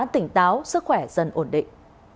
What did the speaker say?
tỉnh táo sức khỏe dần ổn định